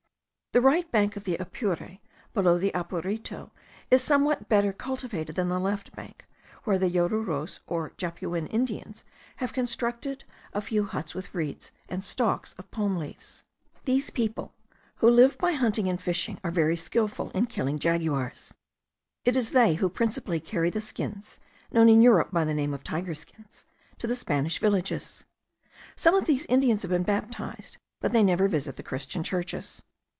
The right bank of the Apure, below the Apurito, is somewhat better cultivated than the left bank, where the Yaruros, or Japuin Indians, have constructed a few huts with reeds and stalks of palm leaves. These people, who live by hunting and fishing, are very skilful in killing jaguars. It is they who principally carry the skins, known in Europe by the name of tiger skins, to the Spanish villages. Some of these Indians have been baptized, but they never visit the Christian churches.